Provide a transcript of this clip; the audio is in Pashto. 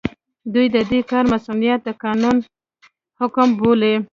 دوی د دې کار مصؤنيت د قانون حکم بولي.